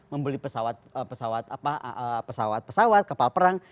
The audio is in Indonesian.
membeli pesawat pesawat kapal perang